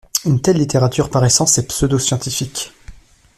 Une telle littérature, par essence, est pseudo-scientifique.